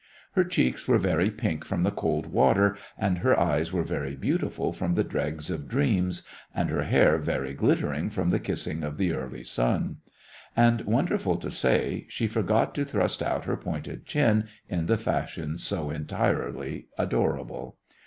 Her cheeks were very pink from the cold water, and her eyes were very beautiful from the dregs of dreams, and her hair very glittering from the kissing of the early sun. And, wonderful to say, she forgot to thrust out her pointed chin in the fashion so entirely adorable.